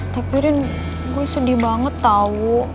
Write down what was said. tapi rin gue sedih banget tau